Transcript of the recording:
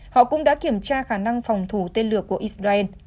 họ cũng đã kiểm tra khả năng phòng thủ tên lửa của israel